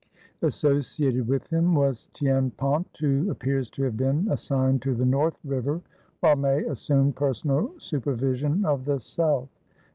Associated with him was Tienpont, who appears to have been assigned to the North River while May assumed personal supervision of the South.